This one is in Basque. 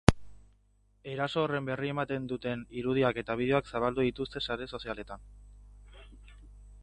Eraso horren berri ematen duten irudiak eta bideoak zabaldu dituzte sare sozialetan.